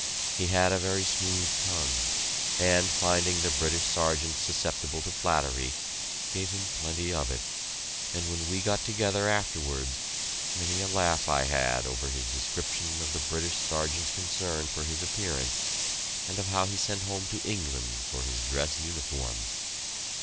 He had a very smooth tongue, and, finding the British Sergeant susceptible to flattery, gave him plenty of it, and when we got together afterwards, many a laugh I had over his description of the British Sergeant's concern for his appearance, and of how he sent home to England for his dress uniform.